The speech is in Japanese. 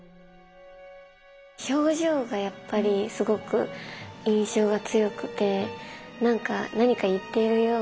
表情がやっぱりすごく印象が強くて何か言っているような。